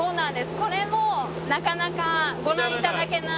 これもなかなかご覧頂けない。